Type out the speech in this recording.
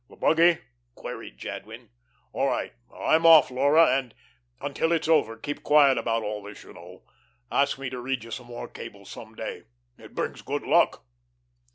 "The buggy?" queried Jadwin. "All right. I'm off, Laura, and until it's over keep quiet about all this, you know. Ask me to read you some more cables some day. It brings good luck."